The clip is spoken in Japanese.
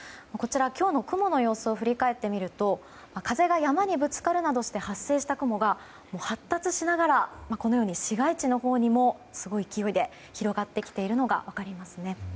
今日の雲の様子を振り返ってみると風が山にぶつかるなどして発生した雲が発達しながら市街地のほうにもすごい勢いで広がってきているのが分かりますね。